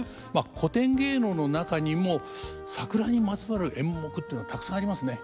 古典芸能の中にも桜にまつわる演目っていうのたくさんありますね。